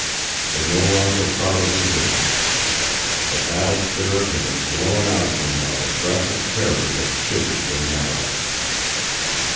They no longer thought of resistance. The battle spirit had been blown out of them by a breath of terror that shivered their marrow.